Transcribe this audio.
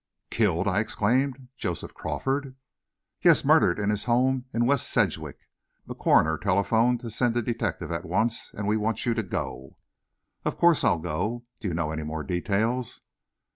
"Killed!" I exclaimed; "Joseph Crawford?" "Yes; murdered in his home in West Sedgwick. The coroner telephoned to send a detective at once and we want you to go." "Of course I'll go. Do you know any more details?"